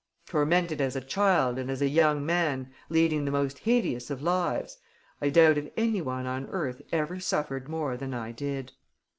Tormented as a child, and, as a young man, leading the most hideous of lives, I doubt if any one on earth ever suffered more than I did."